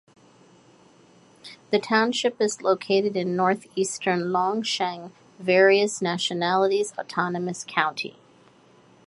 The township is located in northeastern Longsheng Various Nationalities Autonomous County.